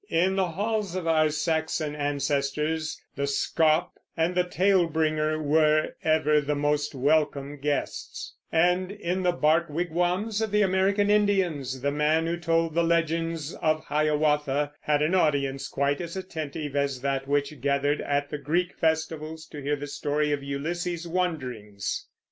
In the halls of our Saxon ancestors the scop and the tale bringer were ever the most welcome guests; and in the bark wigwams of the American Indians the man who told the legends of Hiawatha had an audience quite as attentive as that which gathered at the Greek festivals to hear the story of Ulysses's wanderings.